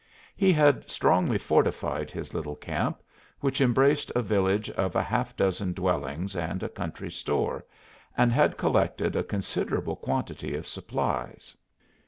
He had strongly fortified his little camp, which embraced a village of a half dozen dwellings and a country store, and had collected a considerable quantity of supplies.